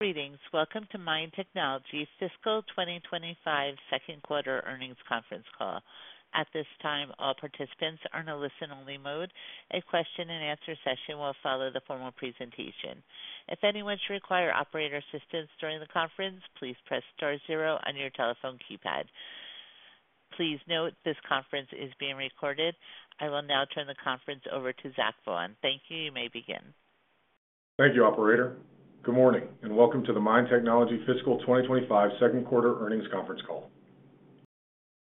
Greetings. Welcome to MIND Technology's Fiscal 2025 Second Quarter Earnings Conference Call. At this time, all participants are in a listen-only mode. A question and answer session will follow the formal presentation. If anyone should require operator assistance during the conference, please press star zero on your telephone keypad. Please note, this conference is being recorded. I will now turn the conference over to Zach Vaughan. Thank you. You may begin. Thank you, operator. Good morning, and welcome to the MIND Technology Fiscal 2025 second quarter earnings conference call.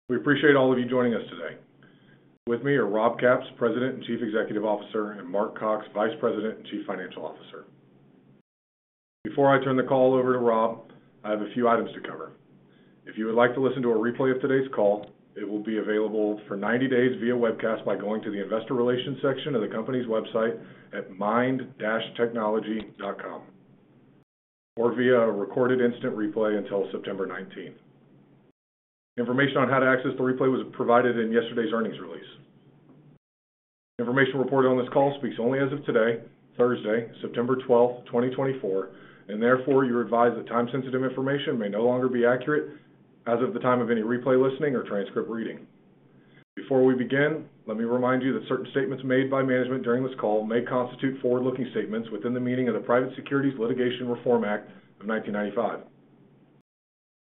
We appreciate all of you joining us today. With me are Rob Capps, President and Chief Executive Officer, and Mark Cox, Vice President and Chief Financial Officer. Before I turn the call over to Rob, I have a few items to cover. If you would like to listen to a replay of today's call, it will be available for 90 days via webcast by going to the Investor Relations section of the company's website at mind-technology.com, or via a recorded instant replay until September 19. Information on how to access the replay was provided in yesterday's earnings release. Information reported on this call speaks only as of today, Thursday, September 12, 2024, and therefore you're advised that time-sensitive information may no longer be accurate as of the time of any replay, listening, or transcript reading. Before we begin, let me remind you that certain statements made by management during this call may constitute forward-looking statements within the meaning of the Private Securities Litigation Reform Act of 1995.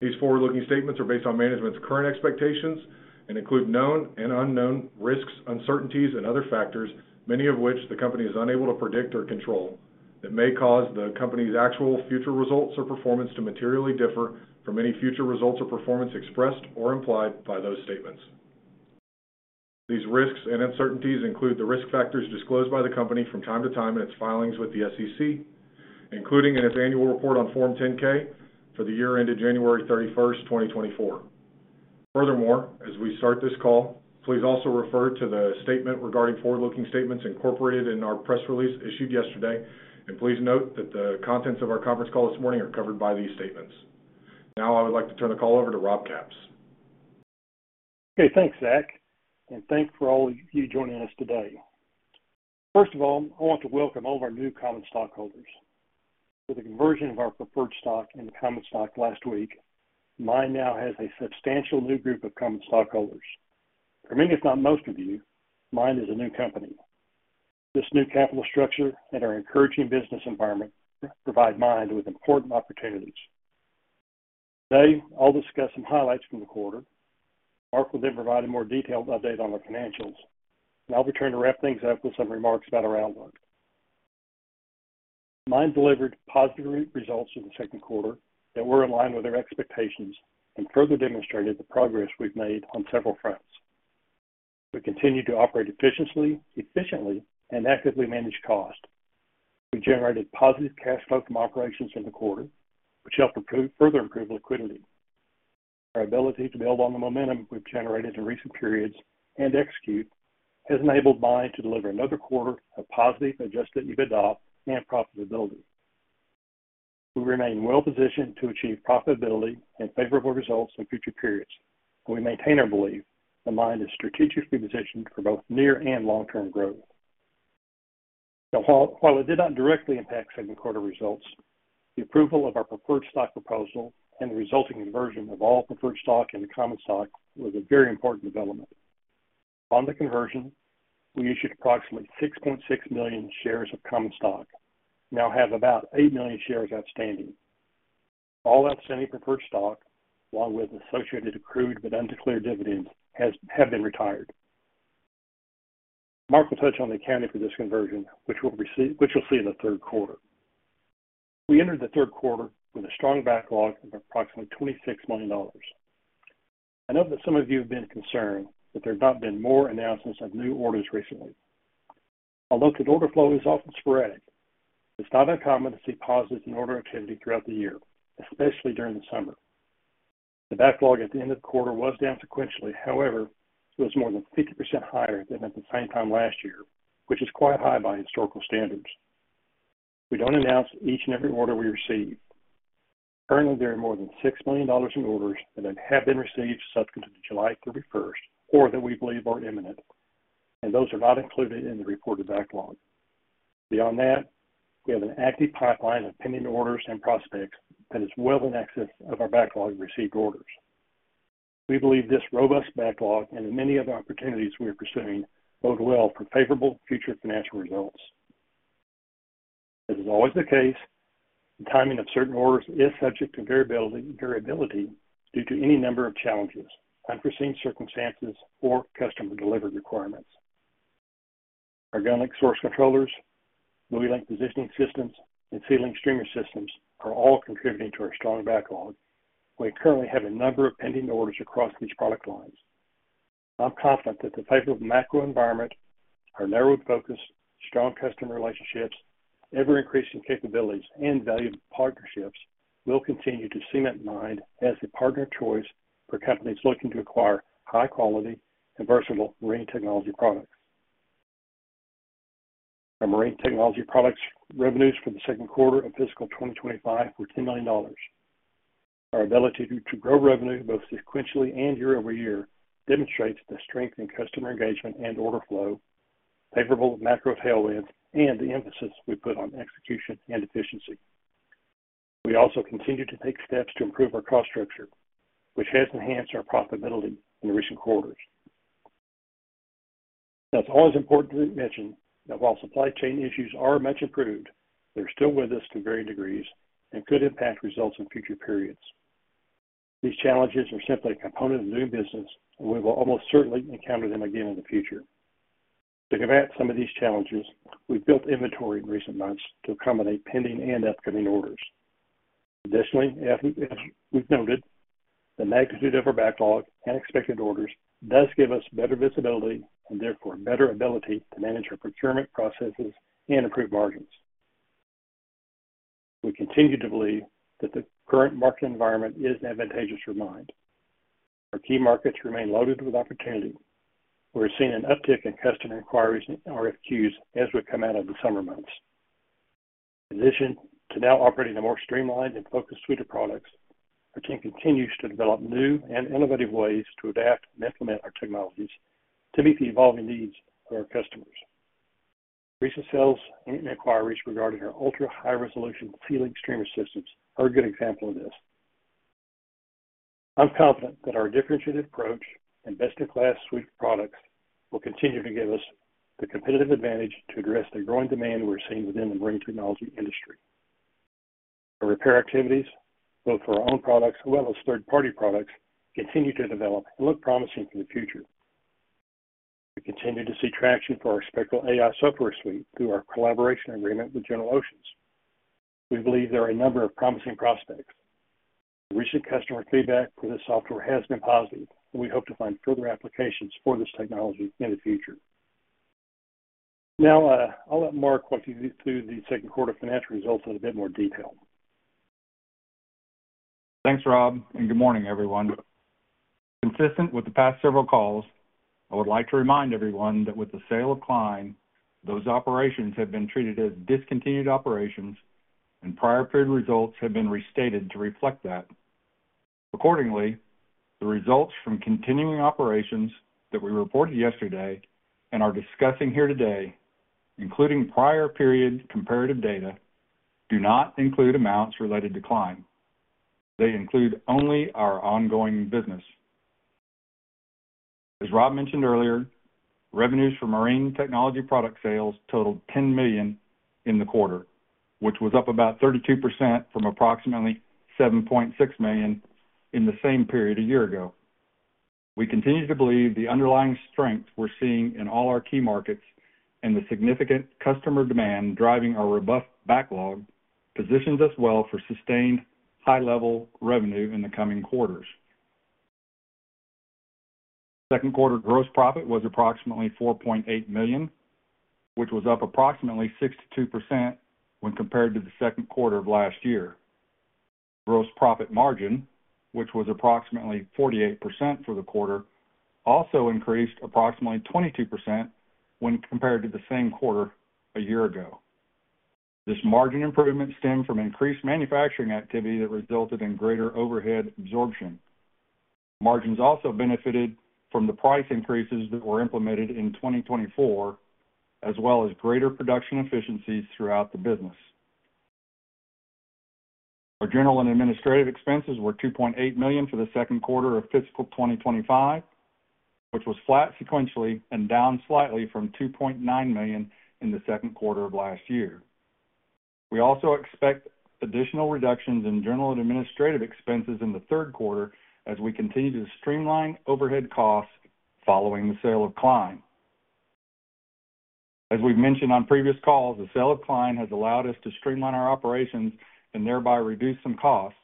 These forward-looking statements are based on management's current expectations and include known and unknown risks, uncertainties, and other factors, many of which the company is unable to predict or control, that may cause the company's actual future results or performance to materially differ from any future results or performance expressed or implied by those statements. These risks and uncertainties include the risk factors disclosed by the company from time to time in its filings with the SEC, including in its annual report on Form 10-K for the year ended January 31, 2024. Furthermore, as we start this call, please also refer to the statement regarding forward-looking statements incorporated in our press release issued yesterday, and please note that the contents of our conference call this morning are covered by these statements. Now, I would like to turn the call over to Rob Capps. Okay, thanks, Zach, and thanks for all of you joining us today. First of all, I want to welcome all of our new common stockholders. With the conversion of our preferred stock into common stock last week, MIND now has a substantial new group of common stockholders. For many, if not most of you, MIND is a new company. This new capital structure and our encouraging business environment provide MIND with important opportunities. Today, I'll discuss some highlights from the quarter. Mark will then provide a more detailed update on the financials, and I'll return to wrap things up with some remarks about our outlook. MIND delivered positive results in the second quarter that were in line with our expectations and further demonstrated the progress we've made on several fronts. We continued to operate efficiently and actively manage cost. We generated positive cash flow from operations in the quarter, which helped further improve liquidity. Our ability to build on the momentum we've generated in recent periods and execute has enabled MIND to deliver another quarter of positive adjusted EBITDA and profitability. We remain well-positioned to achieve profitability and favorable results in future periods, and we maintain our belief that MIND is strategically positioned for both near- and long-term growth. Now, while it did not directly impact second quarter results, the approval of our preferred stock proposal and the resulting conversion of all preferred stock into common stock was a very important development. On the conversion, we issued approximately 6.6 million shares of common stock, now have about 8 million shares outstanding. All outstanding preferred stock, along with associated accrued but undeclared dividends, have been retired. Mark will touch on the accounting for this conversion, which you'll see in the third quarter. We entered the third quarter with a strong backlog of approximately $26 million. I know that some of you have been concerned that there have not been more announcements of new orders recently. Although the order flow is often sporadic, it's not uncommon to see pauses in order activity throughout the year, especially during the summer. The backlog at the end of the quarter was down sequentially. However, it was more than 50% higher than at the same time last year, which is quite high by historical standards. We don't announce each and every order we receive. Currently, there are more than $6 million in orders that have been received subsequent to July 31 or that we believe are imminent, and those are not included in the reported backlog. Beyond that, we have an active pipeline of pending orders and prospects that is well in excess of our backlog received orders. We believe this robust backlog and the many other opportunities we are pursuing bode well for favorable future financial results. This is always the case. The timing of certain orders is subject to variability due to any number of challenges, unforeseen circumstances, or customer delivery requirements. Our GunLink source controllers, BuoyLink positioning systems, and SeaLink systems are all contributing to our strong backlog. We currently have a number of pending orders across these product lines. I'm confident that the type of macro environment, our narrowed focus, strong customer relationships, ever-increasing capabilities, and valuable partnerships will continue to cement MIND as the partner of choice for companies looking to acquire high quality and versatile marine technology products. Our marine technology products revenues for the second quarter of fiscal 2025 were $10 million. Our ability to grow revenue both sequentially and year-over-year demonstrates the strength in customer engagement and order flow, favorable macro tailwinds, and the emphasis we put on execution and efficiency. We also continue to take steps to improve our cost structure, which has enhanced our profitability in recent quarters. Now, it's always important to mention that while supply chain issues are much improved, they're still with us to varying degrees and could impact results in future periods. These challenges are simply a component of doing business, and we will almost certainly encounter them again in the future. To combat some of these challenges, we've built inventory in recent months to accommodate pending and upcoming orders. Additionally, as we've noted, the magnitude of our backlog and expected orders does give us better visibility and therefore better ability to manage our procurement processes and improve margins. We continue to believe that the current market environment is advantageous for MIND. Our key markets remain loaded with opportunity. We're seeing an uptick in customer inquiries and RFQs as we come out of the summer months. In addition to now operating a more streamlined and focused suite of products, our team continues to develop new and innovative ways to adapt and implement our technologies to meet the evolving needs of our customers. Recent sales and inquiries regarding our ultra-high-resolution SeaLink systems are a good example of this. I'm confident that our differentiated approach and best-in-class suite of products will continue to give us the competitive advantage to address the growing demand we're seeing within the marine technology industry. Our repair activities, both for our own products as well as third-party products, continue to develop and look promising for the future. We continue to see traction for our Spectral AI software suite through our collaboration agreement with General Oceans. We believe there are a number of promising prospects. Recent customer feedback for this software has been positive, and we hope to find further applications for this technology in the future. Now, I'll let Mark walk you through the second quarter financial results in a bit more detail. Thanks, Rob, and good morning, everyone. Consistent with the past several calls, I would like to remind everyone that with the sale of Klein, those operations have been treated as discontinued operations and prior period results have been restated to reflect that. Accordingly, the results from continuing operations that we reported yesterday and are discussing here today, including prior period comparative data, do not include amounts related to Klein. They include only our ongoing business. As Rob mentioned earlier, revenues for marine technology product sales totaled $10 million in the quarter, which was up about 32% from approximately $7.6 million in the same period a year ago. We continue to believe the underlying strength we're seeing in all our key markets and the significant customer demand driving our robust backlog, positions us well for sustained high-level revenue in the coming quarters. Second quarter gross profit was approximately $4.8 million, which was up approximately 62% when compared to the second quarter of last year. Gross profit margin, which was approximately 48% for the quarter, also increased approximately 22% when compared to the same quarter a year ago. This margin improvement stemmed from increased manufacturing activity that resulted in greater overhead absorption. Margins also benefited from the price increases that were implemented in 2024, as well as greater production efficiencies throughout the business. Our general and administrative expenses were $2.8 million for the second quarter of fiscal 2025, which was flat sequentially and down slightly from $2.9 million in the second quarter of last year. We also expect additional reductions in general and administrative expenses in the third quarter as we continue to streamline overhead costs following the sale of Klein. As we've mentioned on previous calls, the sale of Klein has allowed us to streamline our operations and thereby reduce some costs,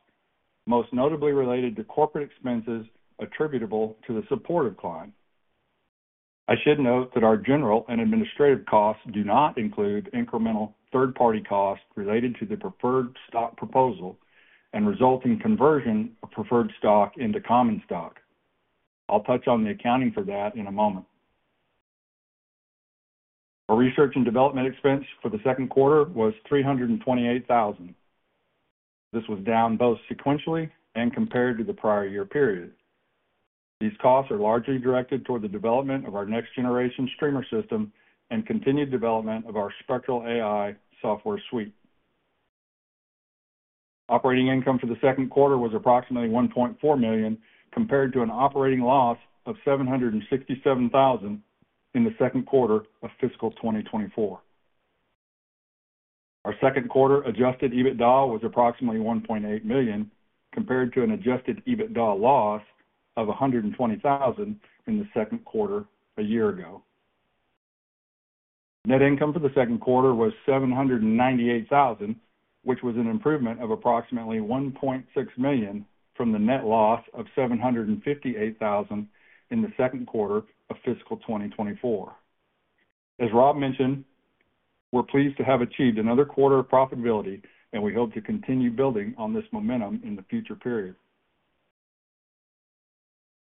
most notably related to corporate expenses attributable to the support of Klein. I should note that our general and administrative costs do not include incremental third-party costs related to the preferred stock proposal and resulting conversion of preferred stock into common stock. I'll touch on the accounting for that in a moment. Our research and development expense for the second quarter was $328,000. This was down both sequentially and compared to the prior year period. These costs are largely directed toward the development of our next-generation streamer system and continued development of our Spectral AI software suite. Operating income for the second quarter was approximately $1.4 million, compared to an operating loss of $767,000 in the second quarter of fiscal 2024. Our second quarter Adjusted EBITDA was approximately $1.8 million, compared to an Adjusted EBITDA loss of $120,000 in the second quarter a year ago. Net income for the second quarter was $798,000, which was an improvement of approximately $1.6 million from the net loss of $758,000 in the second quarter of fiscal 2024. As Rob mentioned, we're pleased to have achieved another quarter of profitability, and we hope to continue building on this momentum in the future periods.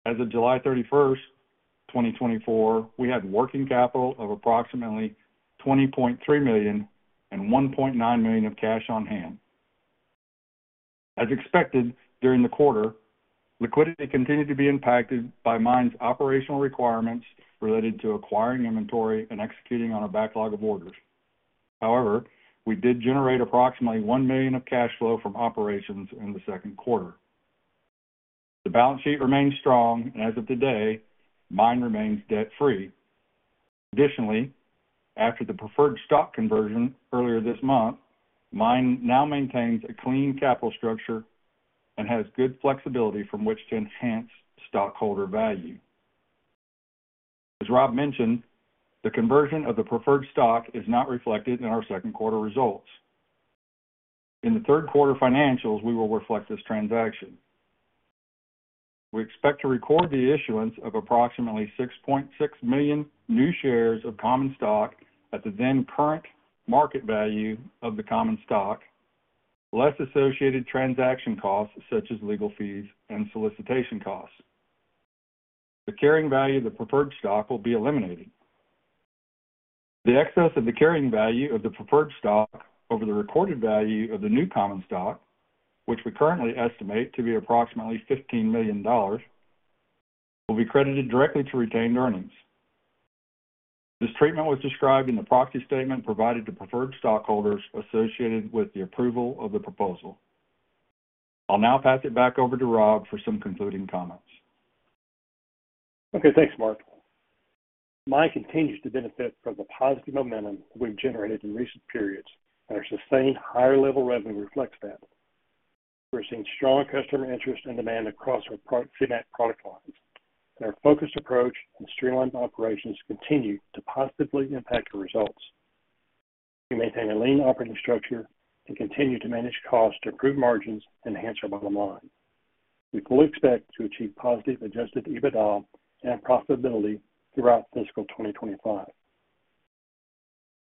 As of July 31, 2024, we had working capital of approximately $20.3 million and $1.9 million of cash on hand. As expected, during the quarter, liquidity continued to be impacted by MIND 's operational requirements related to acquiring inventory and executing on a backlog of orders. However, we did generate approximately $1 million of cash flow from operations in the second quarter. The balance sheet remains strong, and as of today, MIND remains debt-free. Additionally, after the preferred stock conversion earlier this month, MIND now maintains a clean capital structure and has good flexibility from which to enhance stockholder value. As Rob mentioned, the conversion of the preferred stock is not reflected in our second quarter results. In the third quarter financials, we will reflect this transaction. We expect to record the issuance of approximately 6.6 million new shares of common stock at the then current market value of the common stock, less associated transaction costs such as legal fees and solicitation costs. The carrying value of the preferred stock will be eliminated. The excess of the carrying value of the preferred stock over the recorded value of the new common stock, which we currently estimate to be approximately $15 million, will be credited directly to retained earnings. This treatment was described in the proxy statement provided to preferred stockholders associated with the approval of the proposal. I'll now pass it back over to Rob for some concluding comments. Okay, thanks, Mark. MIND continues to benefit from the positive momentum we've generated in recent periods, and our sustained higher level revenue reflects that. We're seeing strong customer interest and demand across our pro Seamap product lines, and our focused approach and streamlined operations continue to positively impact the results. We maintain a lean operating structure and continue to manage costs to improve margins and enhance our bottom line. We fully expect to achieve positive adjusted EBITDA and profitability throughout fiscal 2025.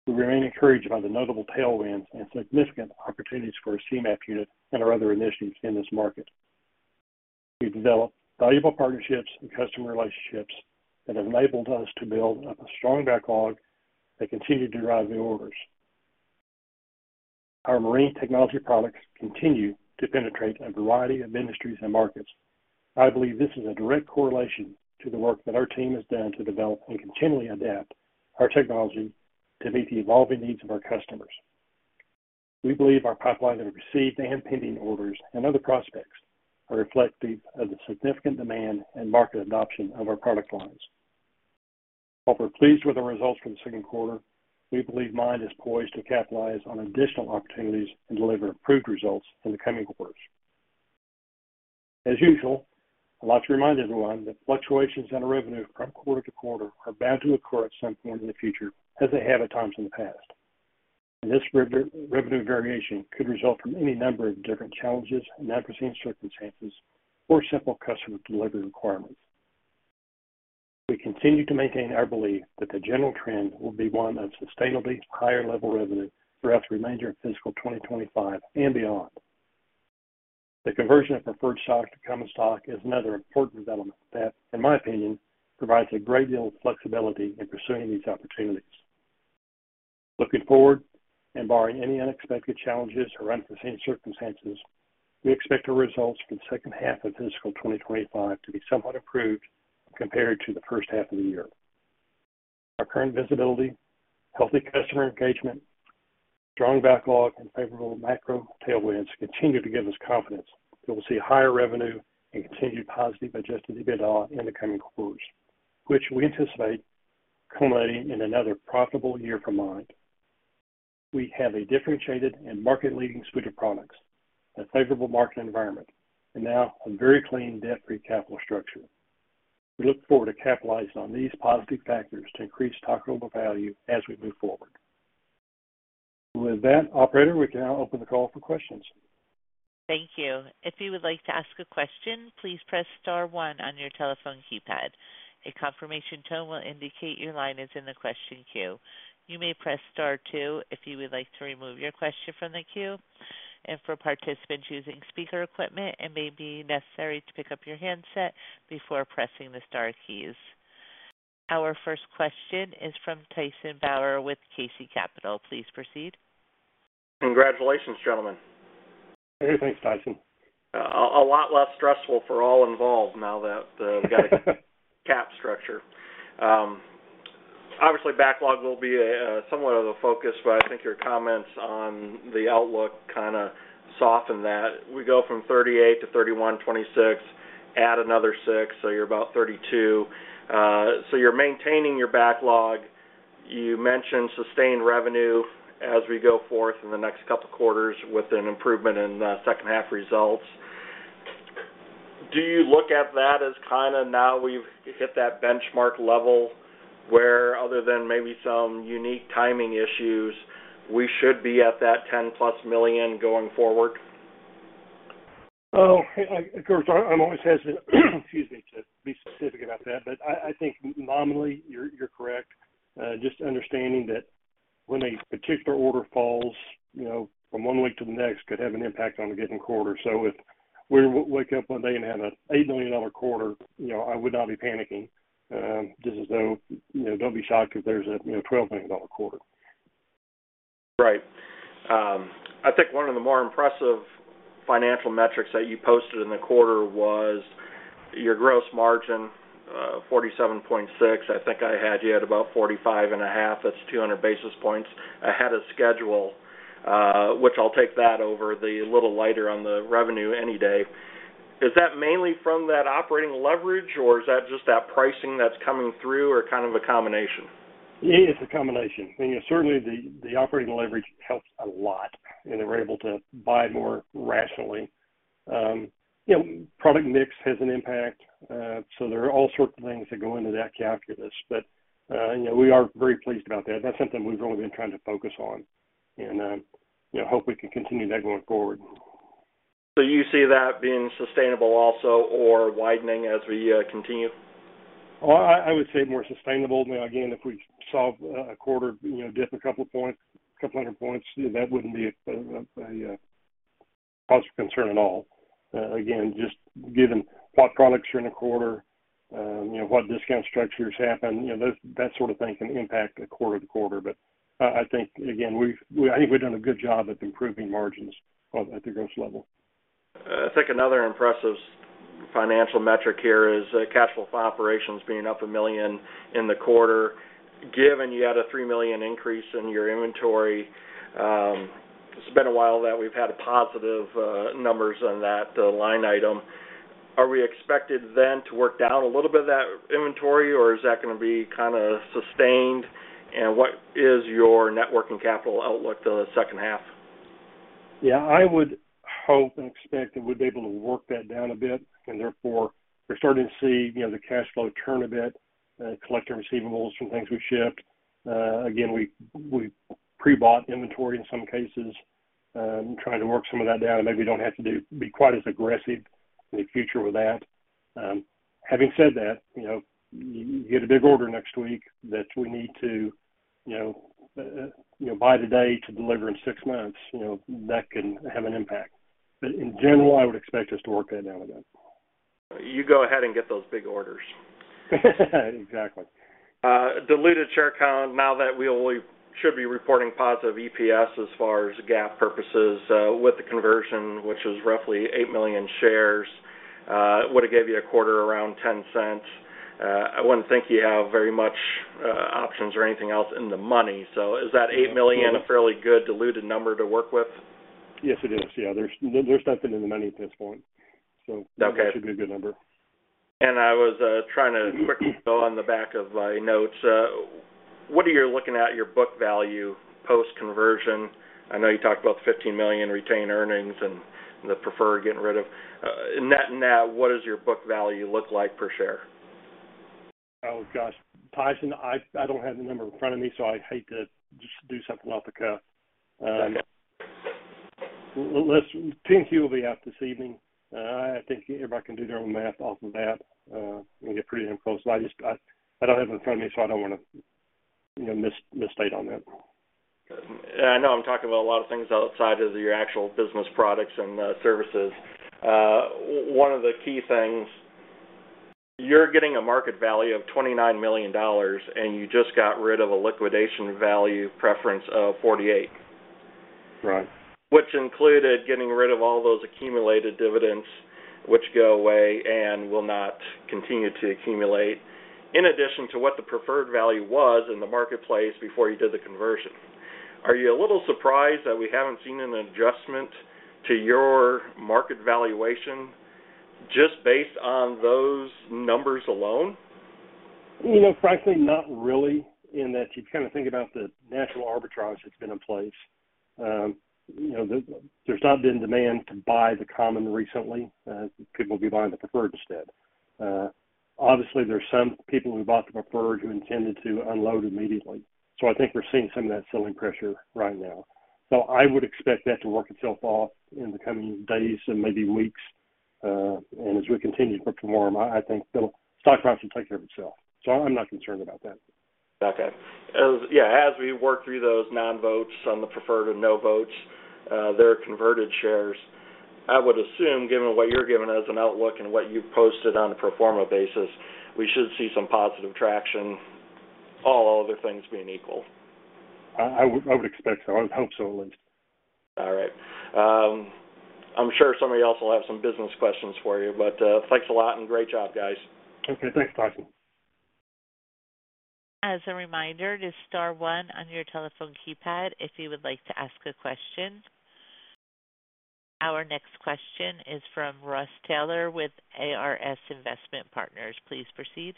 We remain encouraged by the notable tailwinds and significant opportunities for our Seamap unit and our other initiatives in this market. We've developed valuable partnerships and customer relationships that have enabled us to build up a strong backlog that continue to drive new orders. Our marine technology products continue to penetrate a variety of industries and markets. I believe this is a direct correlation to the work that our team has done to develop and continually adapt our technology to meet the evolving needs of our customers. We believe our pipeline of received and pending orders and other prospects are reflective of the significant demand and market adoption of our product lines. While we're pleased with the results for the second quarter, we believe MIND is poised to capitalize on additional opportunities and deliver improved results in the coming quarters. As usual, I'd like to remind everyone that fluctuations in our revenue from quarter to quarter are bound to occur at some point in the future, as they have at times in the past, and this revenue variation could result from any number of different challenges, unforeseen circumstances, or simple customer delivery requirements. We continue to maintain our belief that the general trend will be one of sustainably higher level revenue throughout the remainder of fiscal 2025 and beyond. The conversion of preferred stock to common stock is another important development that, in my opinion, provides a great deal of flexibility in pursuing these opportunities. Looking forward, and barring any unexpected challenges or unforeseen circumstances, we expect our results for the second half of fiscal 2025 to be somewhat improved compared to the first half of the year. Our current visibility, healthy customer engagement, strong backlog, and favorable macro tailwinds continue to give us confidence that we'll see higher revenue and continued positive Adjusted EBITDA in the coming quarters, which we anticipate culminating in another profitable year for MIND. We have a differentiated and market-leading suite of products, a favorable market environment, and now a very clean, debt-free capital structure. We look forward to capitalizing on these positive factors to increase stockholder value as we move forward. With that, operator, we can now open the call for questions. Thank you. If you would like to ask a question, please press star one on your telephone keypad. A confirmation tone will indicate your line is in the question queue. You may press Star two if you would like to remove your question from the queue. And for participants using speaker equipment, it may be necessary to pick up your handset before pressing the star keys. Our first question is from Tyson Bauer with KC Capital. Please proceed. Congratulations, gentlemen. Hey, thanks, Tyson. A lot less stressful for all involved now that we got a cap structure. Obviously, backlog will be somewhat of a focus, but I think your comments on the outlook kind of softened that. We go from 38 to 31, 26, add another six, so you're about 32. So you're maintaining your backlog. You mentioned sustained revenue as we go forth in the next couple of quarters with an improvement in second half results. Do you look at that as kind of now we've hit that benchmark level, where other than maybe some unique timing issues, we should be at that ten-plus million going forward? Oh, of course, I'm always hesitant, excuse me, to be specific about that, but I think nominally, you're correct. Just understanding that when a particular order falls, you know, from one week to the next, could have an impact on a given quarter. So if we wake up one day and have an $8 million quarter, you know, I would not be panicking. Just as though, you know, don't be shocked if there's a, you know, $12 million quarter. Right. I think one of the more impressive financial metrics that you posted in the quarter was your gross margin, 47.6%. I think I had you at about 45.5. That's 200 basis points ahead of schedule, which I'll take that over the little lighter on the revenue any day. Is that mainly from that operating leverage, or is that just that pricing that's coming through, or kind of a combination? It's a combination. I mean, certainly the operating leverage helps a lot, and we're able to buy more rationally. You know, product mix has an impact, so there are all sorts of things that go into that calculus. But, you know, we are very pleased about that. That's something we've really been trying to focus on, and, you know, hope we can continue that going forward. So you see that being sustainable also, or widening as we continue? I would say more sustainable. Now, again, if we saw a quarter, you know, dip a couple of points, couple hundred points, that wouldn't be a cause for concern at all. Again, just given what products are in a quarter, you know, what discount structures happen, you know, those, that sort of thing can impact a quarter to quarter. But I think, again, we've. I think we've done a good job at improving margins at the gross level. I think another impressive financial metric here is cash flow from operations being up $1 million in the quarter. Given you had a $3 million increase in your inventory, it's been a while that we've had positive numbers on that line item. Are we expected then to work down a little bit of that inventory, or is that gonna be kind of sustained? What is your net working capital outlook for the second half? Yeah, I would hope and expect that we'd be able to work that down a bit, and therefore we're starting to see, you know, the cash flow turn a bit, collect our receivables from things we've shipped. Again, we pre-bought inventory in some cases, trying to work some of that down, and maybe we don't have to be quite as aggressive in the future with that. Having said that, you know, you get a big order next week that we need to, you know, you know, buy today to deliver in six months, you know, that can have an impact. But in general, I would expect us to work that down a bit. You go ahead and get those big orders. Exactly. Diluted share count, now that we only should be reporting positive EPS as far as GAAP purposes, with the conversion, which is roughly 8 million shares, would it give you a quarter around $0.10? I wouldn't think you have very much options or anything else in the money. So is that 8 million a fairly good diluted number to work with? Yes, it is. Yeah, there's nothing in the money at this point, so- Okay. That should be a good number. I was trying to quickly go on the back of my notes. What are you looking at your book value post-conversion? I know you talked about the fifteen million retained earnings and the preferred getting rid of. Net-net, what does your book value look like per share? Oh, gosh, Tyson, I don't have the number in front of me, so I'd hate to just do something off the cuff. I know. Listen, 10-Q will be out this evening. I think everybody can do their own math off of that and get pretty close. I just, I don't have it in front of me, so I don't want to, you know, misstate on that. I know I'm talking about a lot of things outside of your actual business products and services. One of the key things, you're getting a market value of $29 million, and you just got rid of a liquidation value preference of $48 million. Right. Which included getting rid of all those accumulated dividends, which go away and will not continue to accumulate, in addition to what the preferred value was in the marketplace before you did the conversion. Are you a little surprised that we haven't seen an adjustment to your market valuation just based on those numbers alone? You know, frankly, not really, in that you kind of think about the natural arbitrage that's been in place. You know, there, there's not been demand to buy the common recently. People will be buying the preferred instead. Obviously, there are some people who bought the preferred, who intended to unload immediately, so I think we're seeing some of that selling pressure right now, so I would expect that to work itself off in the coming days and maybe weeks, and as we continue to perform, I think the stock price will take care of itself, so I'm not concerned about that. Okay. As we work through those non-votes on the preferred and no votes, they're converted shares. I would assume, given what you're giving us an outlook and what you've posted on a pro forma basis, we should see some positive traction, all other things being equal. I would expect so. I would hope so at least. All right. I'm sure somebody else will have some business questions for you, but, thanks a lot and great job, guys. Okay, thanks, Tyson. As a reminder, just star one on your telephone keypad if you would like to ask a question. Our next question is from Ross Taylor with ARS Investment Partners. Please proceed.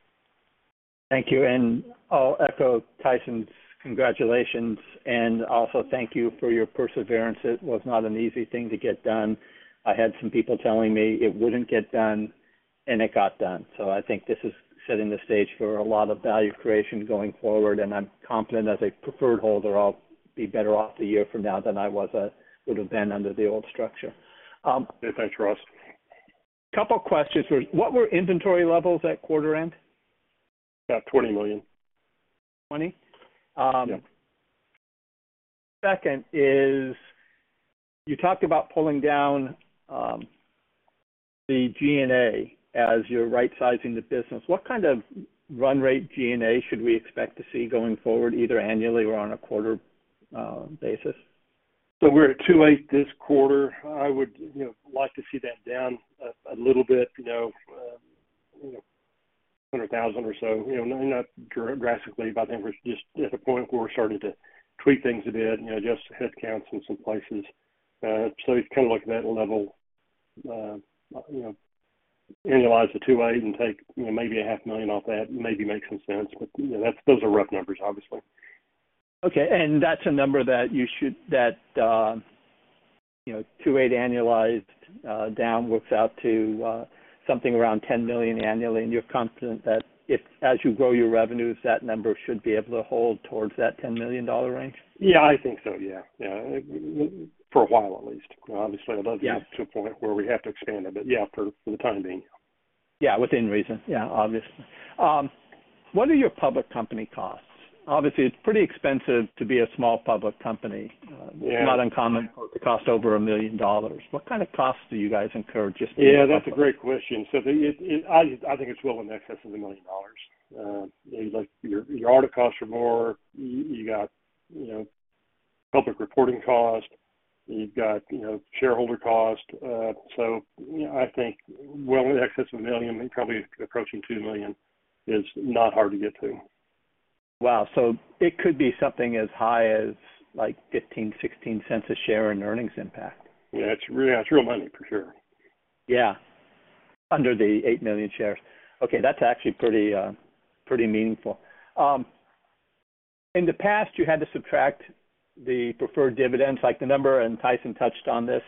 Thank you, and I'll echo Tyson's congratulations, and also thank you for your perseverance. It was not an easy thing to get done. I had some people telling me it wouldn't get done, and it got done. So I think this is setting the stage for a lot of value creation going forward, and I'm confident, as a preferred holder, I'll be better off a year from now than I was, would have been under the old structure. Thanks, Ross.... Couple of questions. What were inventory levels at quarter end? About $20 million. 20? Um. Yeah. Second is, you talked about pulling down the G&A as you're right-sizing the business. What kind of run rate G&A should we expect to see going forward, either annually or on a quarter basis? We're at 2.8 this quarter. I would, you know, like to see that down a little bit, you know, $100,000 or so. You know, not drastically, but I think we're just at a point where we're starting to tweak things a bit, you know, adjust headcounts in some places. So it's kind of like that level, you know, annualize the 2.8 and take, you know, maybe $500,000 off that. Maybe that makes some sense. But, you know, those are rough numbers, obviously. Okay, and that's a number that you should, that, you know, 2.8 annualized, down, works out to, something around $10 million annually, and you're confident that if... as you grow your revenues, that number should be able to hold towards that $10 million range? Yeah, I think so. Yeah. Yeah. For a while at least. Obviously, it does get to a point where we have to expand it, but yeah, for the time being. Yeah, within reason. Yeah, obviously. What are your public company costs? Obviously, it's pretty expensive to be a small public company. Yeah. It's not uncommon for it to cost over $1 million. What kind of costs do you guys incur just- Yeah, that's a great question. So, it. I think it's well in excess of $1 million. Like, your audit costs are more. You got, you know, public reporting costs. You've got, you know, shareholder costs. So I think well in excess of $1 million, and probably approaching $2 million is not hard to get to. Wow! So it could be something as high as, like, $0.15-$0.16 a share in earnings impact. Yeah, it's real, it's real money for sure. Yeah. Under the eight million shares. Okay, that's actually pretty, pretty meaningful. In the past, you had to subtract the preferred dividends, like the number, and Tyson touched on this.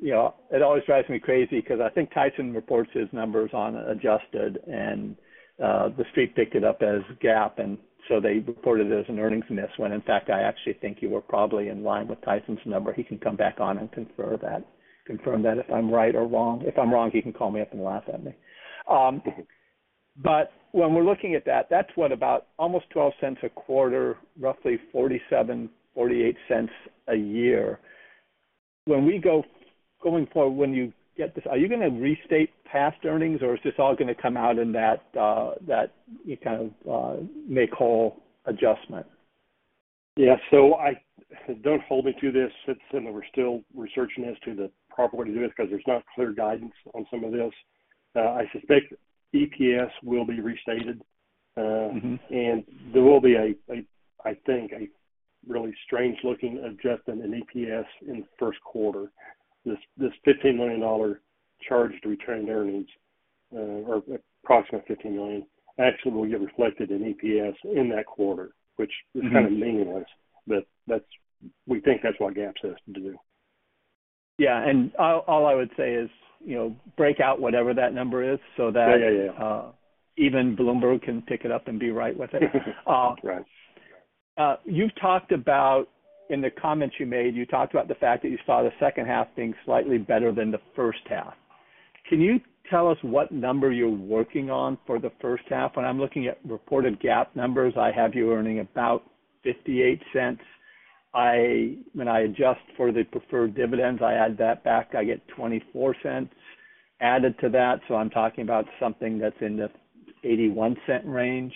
You know, it always drives me crazy because I think Tyson reports his numbers on adjusted, and, the street picked it up as GAAP, and so they reported it as an earnings miss, when in fact, I actually think you were probably in line with Tyson's number. He can come back on and confirm that if I'm right or wrong. If I'm wrong, he can call me up and laugh at me. But when we're looking at that, that's what? About almost $0.12 a quarter, roughly $0.47-$0.48 a year. Going forward, when you get this, are you gonna restate past earnings, or is this all gonna come out in that that you kind of make whole adjustment? Yeah, so I don't hold me to this, since we're still researching as to the proper way to do it, because there's not clear guidance on some of this. I suspect EPS will be restated. Mm-hmm. and there will be, I think, a really strange-looking adjustment in EPS in the first quarter. This $15 million charge to retained earnings, or approximate $15 million, actually will get reflected in EPS in that quarter, which- Mm-hmm. is kind of meaningless, but that's, we think that's what GAAP says to do. Yeah, and all I would say is, you know, break out whatever that number is so that- Yeah, yeah, yeah. Even Bloomberg can pick it up and be right with it. Right. You've talked about, in the comments you made, you talked about the fact that you saw the second half being slightly better than the first half. Can you tell us what number you're working on for the first half? When I'm looking at reported GAAP numbers, I have you earning about $0.58. When I adjust for the preferred dividends, I add that back, I get $0.24 added to that. So I'm talking about something that's in the $0.81 range.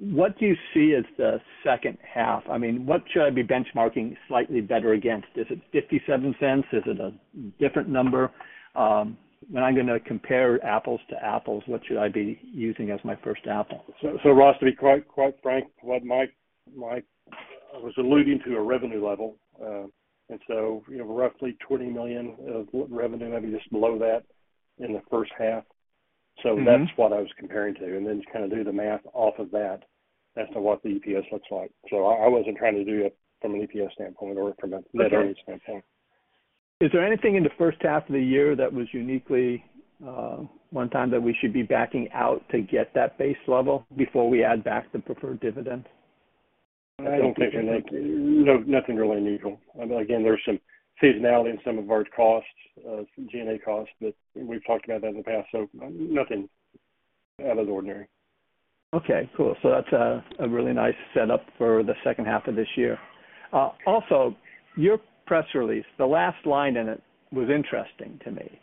What do you see as the second half? I mean, what should I be benchmarking slightly better against? Is it $0.57? Is it a different number? When I'm gonna compare apples to apples, what should I be using as my first apple? So, Ross, to be quite frank, what Mark was alluding to a revenue level. And so, you know, roughly $20 million of revenue, maybe just below that in the first half. Mm-hmm. So that's what I was comparing to, and then just kind of do the math off of that as to what the EPS looks like. So I wasn't trying to do it from an EPS standpoint or from a revenue standpoint. Is there anything in the first half of the year that was uniquely, one time, that we should be backing out to get that base level before we add back the preferred dividends? I don't think so. No, nothing really unusual. Again, there's some seasonality in some of our costs, some G&A costs, but we've talked about that in the past, so nothing out of the ordinary. Okay, cool. So that's a really nice setup for the second half of this year. Also, your press release, the last line in it was interesting to me.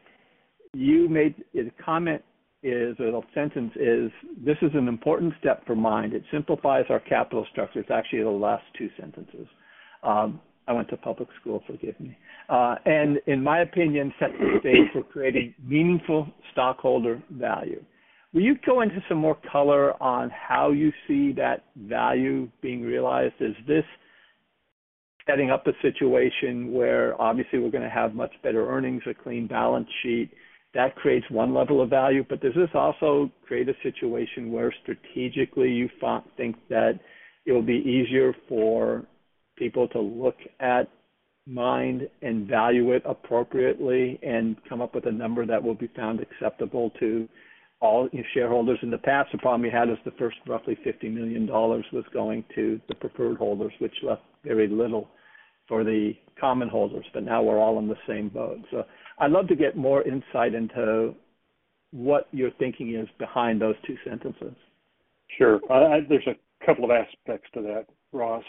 You made... The comment is, or the sentence is: This is an important step for MIND. It simplifies our capital structure. It's actually the last two sentences. I went to public school, forgive me. And in my opinion, sets the stage for creating meaningful stockholder value. Will you go into some more color on how you see that value being realized? Is this setting up a situation where obviously we're gonna have much better earnings, a clean balance sheet, that creates one level of value, but does this also create a situation where strategically you thought- think that it will be easier for people to look at MIND and value it appropriately and come up with a number that will be found acceptable to all your shareholders? In the past, the problem you had is the first roughly $50 million was going to the preferred holders, which left very little for the common holders, but now we're all in the same boat. So I'd love to get more insight into what your thinking is behind those two sentences? Sure. I, there's a couple of aspects to that, Ross.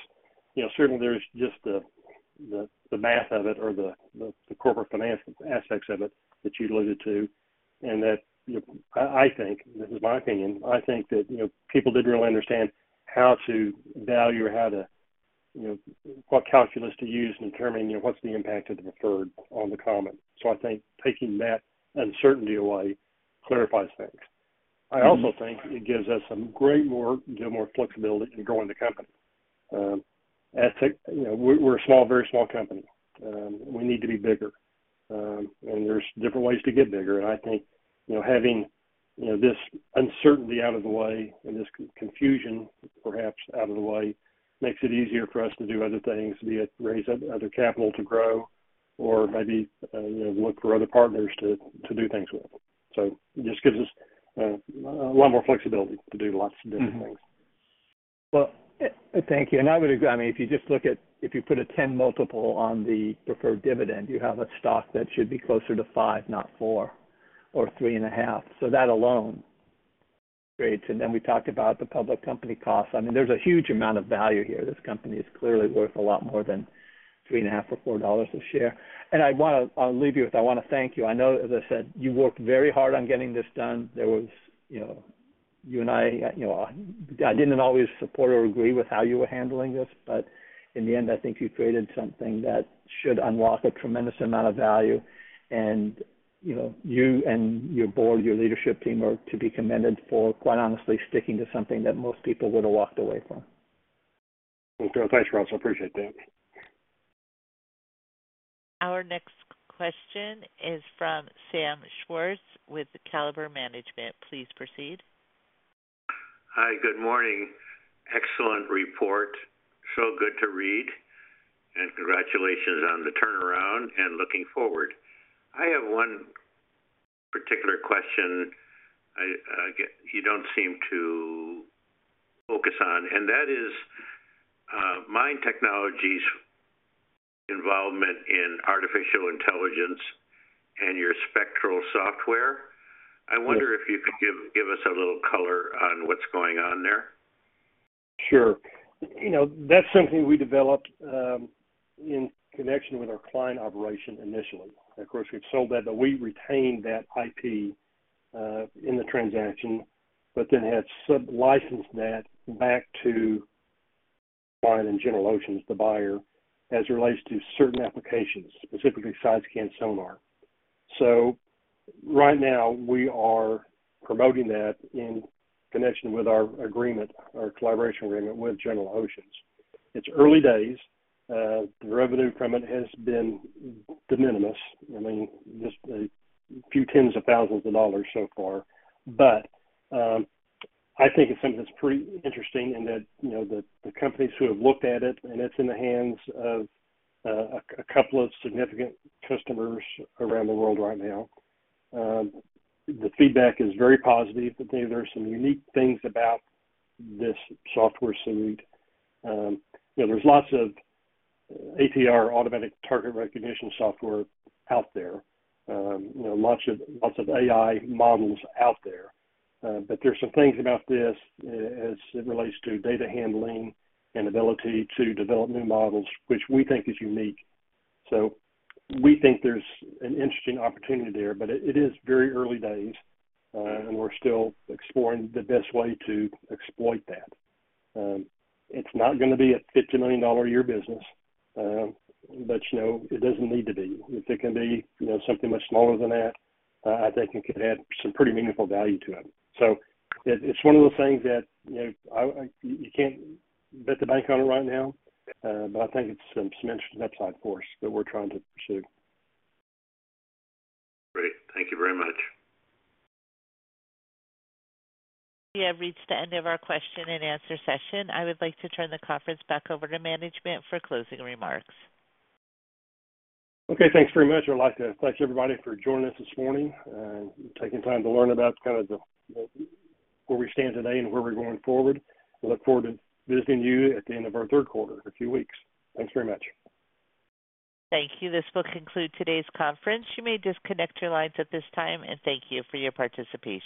You know, certainly there's just the math of it or the corporate finance aspects of it that you alluded to, and that, you know, I think, this is my opinion, I think that, you know, people didn't really understand how to value or how to, you know, what calculus to use in determining, you know, what's the impact of the preferred on the common. So I think taking that uncertainty away clarifies things. I also think it gives us some great more flexibility in growing the company. As tech, you know, we're a small, very small company. We need to be bigger, and there's different ways to get bigger. And I think, you know, having, you know, this uncertainty out of the way and this confusion perhaps out of the way, makes it easier for us to do other things, be it raise other capital to grow or maybe, you know, look for other partners to do things with. So it just gives us a lot more flexibility to do lots of different things. Mm-hmm. Well, thank you, and I would agree. I mean, if you put a 10 multiple on the preferred dividend, you have a stock that should be closer to $5, not $4, or $3.50. So that alone creates. And then we talked about the public company costs. I mean, there's a huge amount of value here. This company is clearly worth a lot more than $3.50 or $4 a share. And I'll leave you with, I want to thank you. I know, as I said, you worked very hard on getting this done. There was, you know, you and I, you know, I didn't always support or agree with how you were handling this, but in the end, I think you created something that should unlock a tremendous amount of value. You know, you and your board, your leadership team, are to be commended for, quite honestly, sticking to something that most people would have walked away from. Thanks, Ross. I appreciate that. Our next question is from Sam Schwartz with Kaliber Management. Please proceed. Hi, good morning. Excellent report. So good to read, and congratulations on the turnaround and looking forward. I have one particular question I get you don't seem to focus on, and that is, MIND Technology's involvement in artificial intelligence and your Spectral software. I wonder if you could give us a little color on what's going on there. Sure. You know, that's something we developed in connection with our Klein operation initially. Of course, we've sold that, but we retained that IP in the transaction, but then had sub-licensed that back to Klein and General Oceans, the buyer, as it relates to certain applications, specifically side-scan sonar. So right now, we are promoting that in connection with our agreement, our collaboration agreement with General Oceans. It's early days. The revenue from it has been de minimis. I mean, just a few tens of thousands of dollars so far. But, I think it's something that's pretty interesting and that, you know, the companies who have looked at it, and it's in the hands of a couple of significant customers around the world right now. The feedback is very positive, that there are some unique things about this software suite. You know, there's lots of ATR, Automatic Target Recognition, software out there, you know, lots of, lots of AI models out there, but there's some things about this as it relates to data handling and ability to develop new models, which we think is unique, so we think there's an interesting opportunity there, but it is very early days, and we're still exploring the best way to exploit that. It's not gonna be a $50 million a year business, but you know, it doesn't need to be. If it can be, you know, something much smaller than that, I think it could add some pretty meaningful value to it. So it's one of those things that, you know, you can't bet the bank on it right now, but I think it's some interesting upside for us that we're trying to pursue. Great. Thank you very much. We have reached the end of our question-and-answer session. I would like to turn the conference back over to management for closing remarks. Okay, thanks very much. I'd like to thank everybody for joining us this morning and taking time to learn about kind of the where we stand today and where we're going forward. We look forward to visiting you at the end of our third quarter in a few weeks. Thanks very much. Thank you. This will conclude today's conference. You may disconnect your lines at this time, and thank you for your participation.